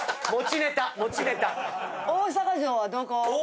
大阪城はどこ？